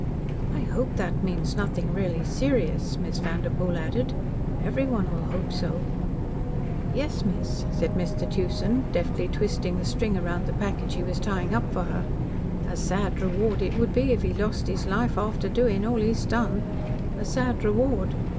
"I hope that means nothing really serious," Miss Vanderpoel added. "Everyone will hope so." "Yes, miss," said Mr. Tewson, deftly twisting the string round the package he was tying up for her. "A sad reward it would be if he lost his life after doing all he has done. A sad reward!